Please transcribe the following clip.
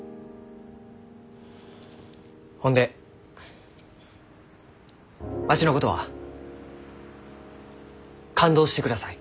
ほんでわしのことは勘当してください。